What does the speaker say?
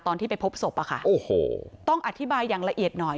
ตอนที่ไปพบศพอะค่ะโอ้โหต้องอธิบายอย่างละเอียดหน่อย